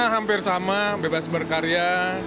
hampir sama bebas berkarya